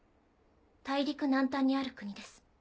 大陸南端にある国です。